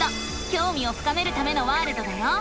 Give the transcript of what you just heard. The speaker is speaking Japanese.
きょうみを深めるためのワールドだよ！